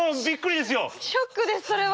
ショックですそれは。